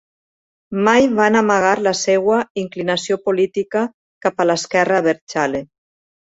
Mai van amagar la seva inclinació política cap a l'esquerra abertzale.